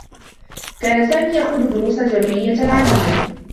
كان سامي يأخذ دروسا جامعيّة عاديّة.